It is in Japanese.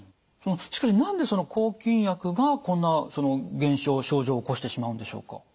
そのしかし何でその抗菌薬がこんな現象症状を起こしてしまうんでしょうか？